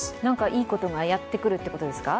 いいことがやってくるってことですか？